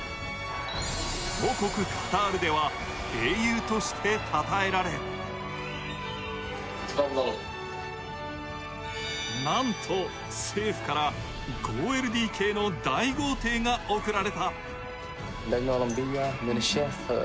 母国カタールでは英雄としてたたえられなんと政府から５ＬＤＫの大豪邸が贈られた。